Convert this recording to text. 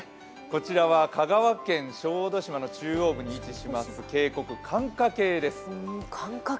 こちらは香川県小豆島の中央部に位置します渓谷・寒霞渓です。